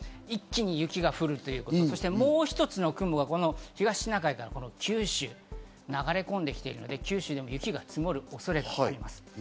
一気に雪が降る、そしてもう一つの雲がこの東シナ海から九州に流れ込んできているので、九州で雪が積もる恐れがあります。